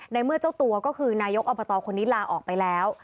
ในเมื่อเจ้าตัวก็คือนายกอบตคนนี้ลาออกไปแล้ว